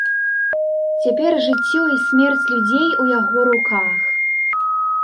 Цяпер жыццё і смерць людзей у яго руках.